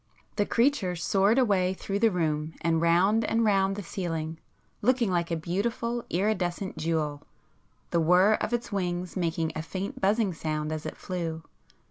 The creature soared away through the room and round and round the ceiling, looking like a beautiful iridescent jewel, the whirr of its wings making a faint buzzing sound as it flew.